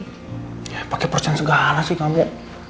ya pakai persen segala sih kamu